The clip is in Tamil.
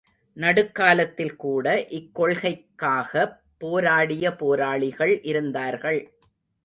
நடுக்காலத்தில்கூட இக்கொள்கைக்காகப் போராடிய போராளிகள் இருந்தார்கள்.